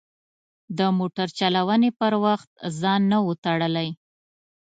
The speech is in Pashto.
د موټر چلونې پر وخت ځان نه و تړلی.